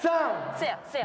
せやせや。